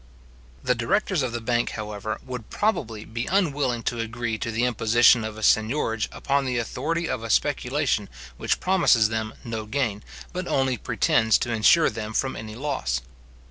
The directors of the bank, however, would probably be unwilling to agree to the imposition of a seignorage upon the authority of a speculation which promises them no gain, but only pretends to insure them from any loss.